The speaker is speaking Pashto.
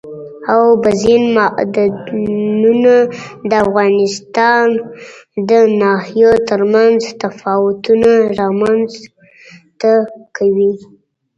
اوبزین معدنونه د افغانستان د ناحیو ترمنځ تفاوتونه رامنځ ته کوي.